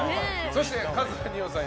そして桂二葉さん